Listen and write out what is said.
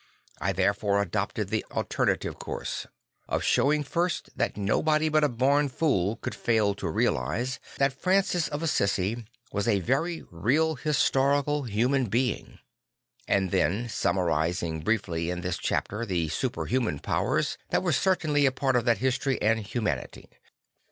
I therefore adopted the alternative course, of showing first that nobody but a born fool could fail to realise that Francis of Assisi was a very real historical human being; and then summarising briefly in this chapter the superhuman powers that were certainly a part of that history and humanity.